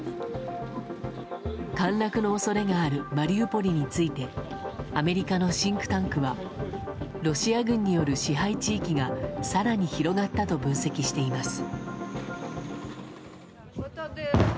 陥落の恐れがあるマリウポリについてアメリカのシンクタンクはロシア軍による支配地域が更に広がったと分析しています。